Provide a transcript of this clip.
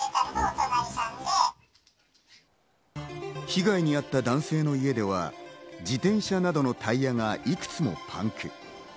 被害に遭った男性の家では、自転車などのタイヤがいくつもパンク。